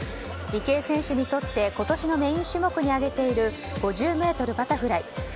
池江選手にとって今年のメイン種目に挙げている５０ｍバタフライ。